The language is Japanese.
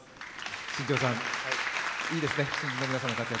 新庄さん、いいですね、新人の皆さんの活躍。